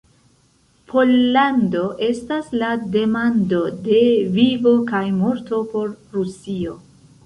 Pollando estas la demando de vivo kaj morto por Rusio.